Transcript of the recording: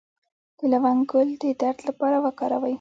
د لونګ ګل د درد لپاره وکاروئ